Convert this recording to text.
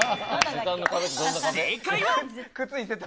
正解は。